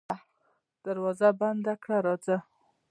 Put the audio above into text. دروازه بنده که راځه.